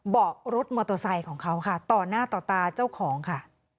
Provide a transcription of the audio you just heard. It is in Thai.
เบาะรถมอเตอร์ไซค์ของเขาค่ะต่อหน้าต่อตาเจ้าของค่ะ